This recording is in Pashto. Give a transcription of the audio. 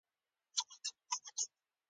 هغه به تل یو ډول نیول شوې او غمجنې ښکارېدله